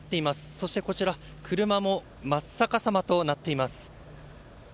そしてこちら車も真っ逆さまとなっています。